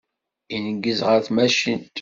Ineggez ɣer tmacint.